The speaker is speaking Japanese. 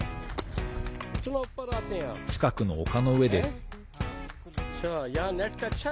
近くの丘の上です。